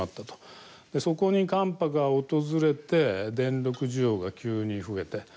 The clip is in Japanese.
でそこに寒波が訪れて電力需要が急に増えて。